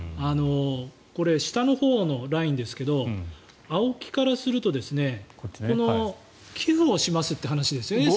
これ、下のほうのラインですがＡＯＫＩからすると寄付をしますという話ですよね。